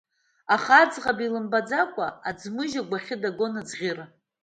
Аха аӡӷаб илымбаӡакәа аӡмыџь агәахьы дагон аӡӷьыра.